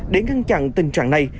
để ngăn chặn tình trạng này